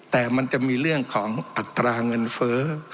แต่มันจะมีเรื่องของอัตราเงินเฟ้อ